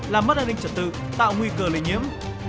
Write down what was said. làm mất an ninh trật tự tạo nguy cơ lây nhiễm